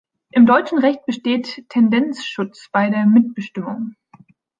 Im deutschen Recht besteht Tendenzschutz bei der Mitbestimmung.